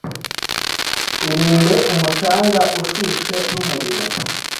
Irinde umucanga ushushe n'umuriro